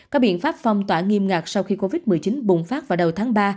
các biện pháp phong tỏa nghiêm ngạc sau khi covid một mươi chín bùng phát vào đầu tháng ba